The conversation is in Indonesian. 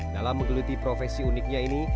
dalam menggeluti profesi uniknya ini